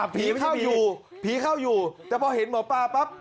ผีเข้าอยู่ผีเข้าอยู่แต่พอเห็นหมอปลาปั๊บ